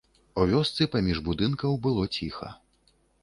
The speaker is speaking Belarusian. У вёсцы паміж будынкаў было ціха.